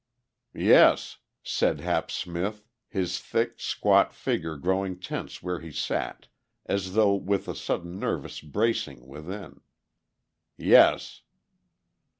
"Yes," said Hap Smith, his thick, squat figure growing tense where he sat as though with a sudden nervous bracing within. "Yes."